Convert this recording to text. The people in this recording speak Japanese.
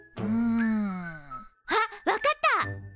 うん。あっわかった！